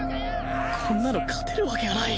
こんなの勝てるわけがない！